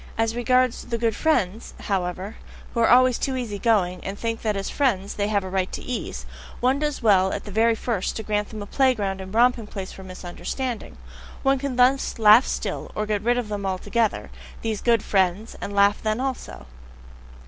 As regards "the good friends," however, who are always too easy going, and think that as friends they have a right to ease, one does well at the very first to grant them a play ground and romping place for misunderstanding one can thus laugh still; or get rid of them altogether, these good friends and laugh then also!